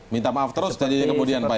minta maaf terus kemudian